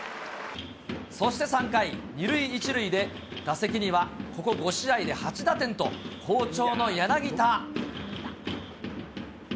そして３回、２塁１塁で、打席には、ここ５試合で８打点と、好調の柳田。